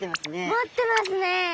持ってますね。